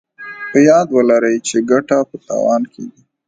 په ياد ولرئ چې ګټه په تاوان کېږي.